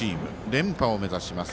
連覇を目指します。